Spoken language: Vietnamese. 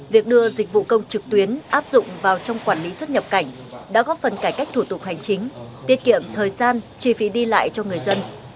việc đưa dịch vụ công trực tuyến áp dụng vào trong quản lý xuất nhập cảnh đã góp phần cải cách thủ tục hành chính tiết kiệm thời gian chi phí đi lại cho người dân